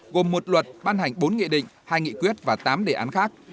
gồm một luật ban hành bốn nghị định hai nghị quyết và tám đề án khác